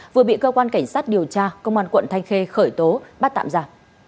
vừa bị cơ quan cảnh sát điều tra công an quận thanh khê khởi tố bắt tạm giả